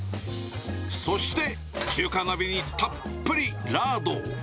そして、中華鍋にたっぷりラードを。